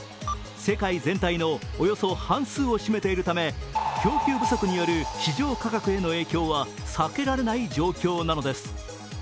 世界全体のおよそ半数を占めているため供給不足による市場価格への影響は避けられない状況なのです。